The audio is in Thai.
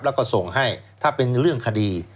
แล้วก็ส่งให้ถ้าเป็นเรื่องคดี